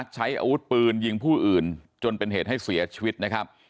ใช้อาวุธปืนยิงผู้อื่นจนเป็นเหตุให้เสียชีวิตนะครับ